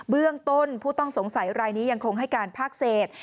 เบื้องต้นผู้ต้องสงสัยรายนี้ยังคงให้การภาคเศษ